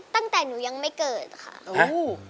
ตั้งแต่หนูยังไม่เกิดค่ะ